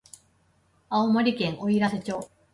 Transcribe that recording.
青森県おいらせ町